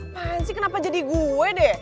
apaan sih kenapa jadi gue deh